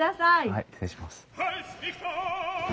はい失礼します。